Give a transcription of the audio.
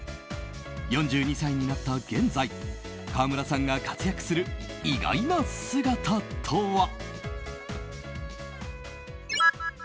４２歳になった現在川村さんが活躍する意外な姿とは。